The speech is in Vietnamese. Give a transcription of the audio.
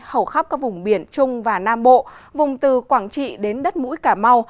hầu khắp các vùng biển trung và nam bộ vùng từ quảng trị đến đất mũi cà mau